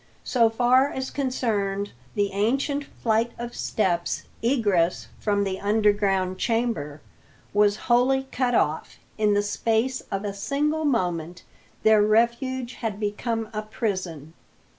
So far as concerned the ancient flight of steps, egress from the underground chamber was wholly cut off. In the space of a single moment their refuge had become a prison.